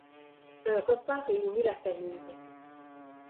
Un repas réunit la famille.